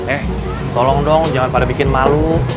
eh tolong dong jangan pada bikin malu